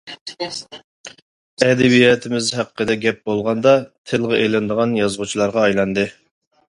ئەدەبىياتىمىز ھەققىدە گەپ بولغاندا تىلغا ئېلىنىدىغان يازغۇچىغا ئايلاندى.